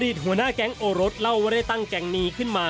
หัวหน้าแก๊งโอรสเล่าว่าได้ตั้งแก๊งนี้ขึ้นมา